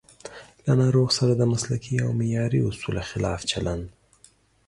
له ناروغ سره د مسلکي او معیاري اصولو خلاف چلند